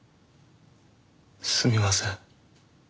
すみません。